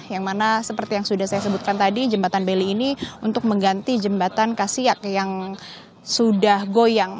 yang mana seperti yang sudah saya sebutkan tadi jembatan beli ini untuk mengganti jembatan kasiak yang sudah goyang